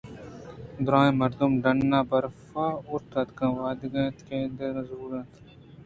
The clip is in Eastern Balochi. دُرٛاہیں مردم ڈنّءَ برفءَ اوشتاتگ ءُوداریگ اِت اَنتءُ نرُنڈگ ءَاِت اَنت